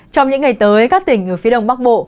trong những ngày tới các tỉnh ở phía đông bắc bộ